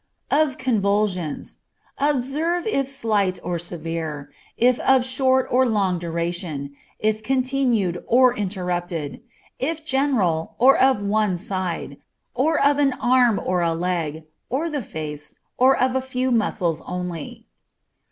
Of convulsions. Observe if slight or severe, if of short or long duration, if continued or interrupted, if general or of one side, or of an arm or a leg, or the face, or of a few muscles only.